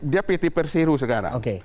dia pt persero sekarang